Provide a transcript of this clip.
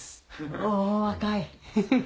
お若い。